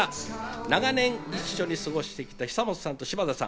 長年、一緒に過ごしてきた久本さんと柴田さん。